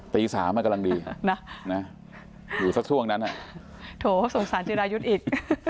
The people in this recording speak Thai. ตี๓มันกำลังดีอยู่สักช่วงนั้นโถสงสารจิรายุทธ์อีก